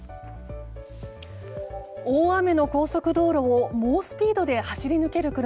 大雨の高速道路を猛スピードで走り抜ける車。